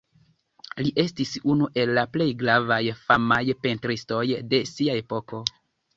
Li estis unu el la plej gravaj famaj pentristoj de sia epoko.